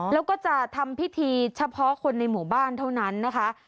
แล้วก็จะทำพิธีเฉพาะคนในหมู่บ้านเท่านั้นนะคะ